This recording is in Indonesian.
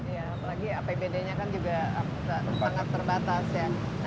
ya apalagi apbd nya kan juga sangat terbatas ya